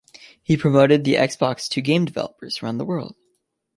He then promoted the Xbox to game developers around the world.